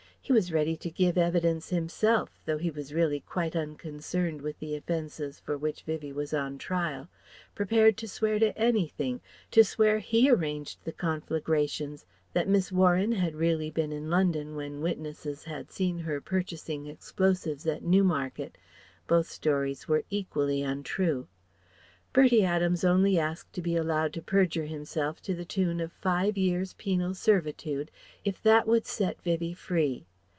He was ready to give evidence himself, though he was really quite unconcerned with the offences for which Vivie was on trial; prepared to swear to anything; to swear he arranged the conflagrations; that Miss Warren had really been in London when witness had seen her purchasing explosives at Newmarket (both stories were equally untrue). Bertie Adams only asked to be allowed to perjure himself to the tune of Five Years' penal servitude if that would set Vivie free.